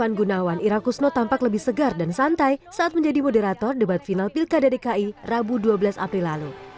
iwan gunawan ira kusno tampak lebih segar dan santai saat menjadi moderator debat final pilkada dki rabu dua belas april lalu